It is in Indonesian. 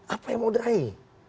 apa yang mau diraih